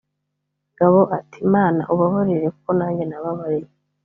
Gabo ati “Mana ubababarire kuko nanjye nababariye